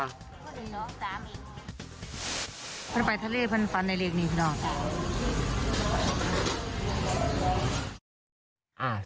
พันธุ์ปลายทะเลฟันฟันในเลขนี้พี่นอด